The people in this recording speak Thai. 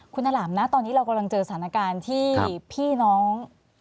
คุณอลำนะตอนนี้เรากำลังเจอสถานการณ์ที่พี่น้อง